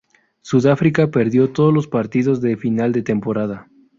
Sudáfrica perdió todos los partidos de final de temporada.